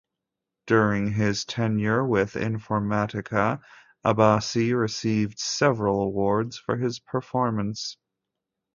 During his tenure with Informatica, Abbasi received several awards for his performance.